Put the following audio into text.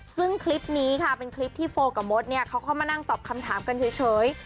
ซึ่งคลิปนี้ค่ะเป็นคลิปที่โฟกับมดเนี่ยเขาเข้ามานั่งตอบคำถามกันเฉย